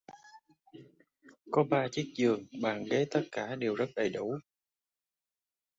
Có ba chiếc giường, bàn ghế tất cả đều rất đầy đủ